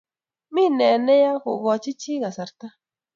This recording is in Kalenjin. mii nee ni yak kogoi chii kasarta